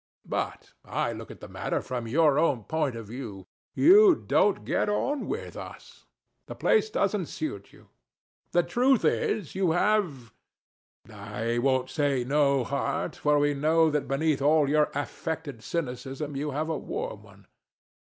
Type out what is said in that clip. But I look at the matter from your own point of view. You don't get on with us. The place doesn't suit you. The truth is, you have I won't say no heart; for we know that beneath all your affected cynicism you have a warm one.